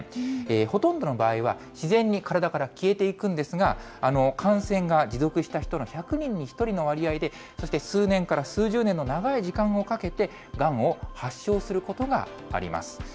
ほとんどの場合は、自然に体から消えていくんですが、感染が持続した人の１００人に１人の割合で、そして数年から数十年の長い時間をかけて、がんを発症することがあります。